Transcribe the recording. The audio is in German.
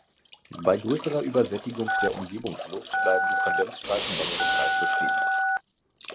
Bei größerer Übersättigung der Umgebungsluft bleiben die Kondensstreifen längere Zeit bestehen.